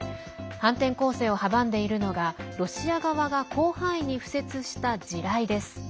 反転攻勢を阻んでいるのがロシア側が広範囲に敷設した地雷です。